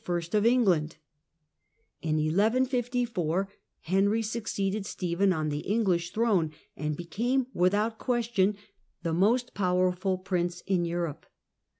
of 1152""'°"' England. In 1154 Henry succeeded Stephen on the English throne, and became, without question, the most powerful prince in Europe.